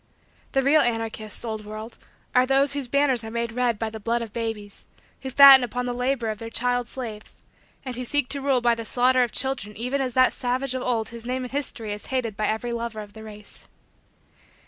The real anarchists, old world, are those whose banners are made red by the blood of babies; who fatten upon the labor of their child slaves; and who seek to rule by the slaughter of children even as that savage of old whose name in history is hated by every lover of the race.